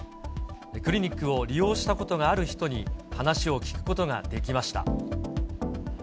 クリニックを利用したことがある人に話を聞くことができました。